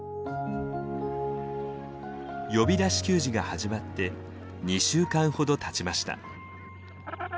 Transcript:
呼び出し給餌が始まって２週間ほどたちました。